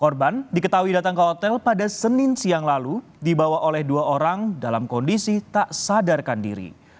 korban diketahui datang ke hotel pada senin siang lalu dibawa oleh dua orang dalam kondisi tak sadarkan diri